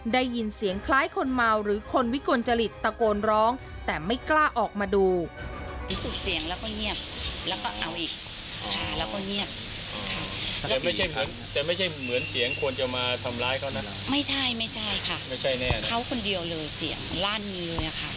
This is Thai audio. ได้ยินเสียงคล้ายคนเมาหรือคนวิกลจริตตะโกนร้องแต่ไม่กล้าออกมาดูรู้สึก